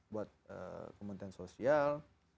buat kementerian sosial